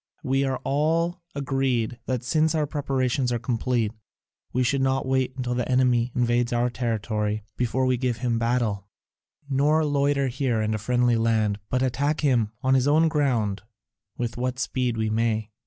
We are all agreed that since our preparations are complete we should not wait until the enemy invades our territory before we give him battle, nor loiter here in a friendly land, but attack him on his own ground with what speed we may.